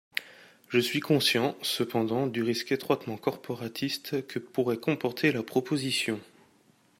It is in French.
Je suis conscient, cependant, du risque étroitement corporatiste que pourrait comporter la proposition.